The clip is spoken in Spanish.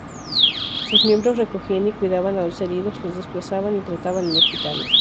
Sus miembros recogían y cuidaban a los heridos, los desplazaban y trataban en hospitales.